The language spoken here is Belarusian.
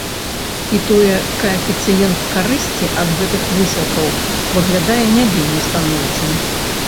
І тое каэфіцыент карысці ад гэтых высілкаў выглядае не вельмі станоўчым.